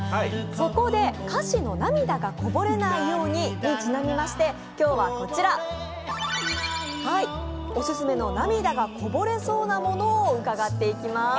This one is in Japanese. そこで、歌詞の「涙がこぼれないように」にちなみまして今日はこちら、オススメの涙がこぼれそうなものを伺っていきます。